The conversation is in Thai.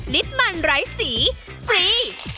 ลิปมันไร้สีฟรี